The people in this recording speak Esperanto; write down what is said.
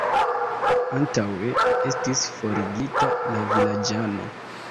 Antaŭe estis forigita la vilaĝano.